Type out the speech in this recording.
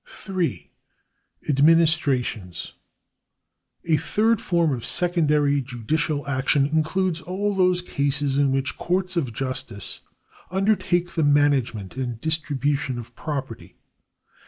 (3) Administratioiis. — A third form of secondary judicial action includes all those cases in which courts of justice undertake the management and distribution of property.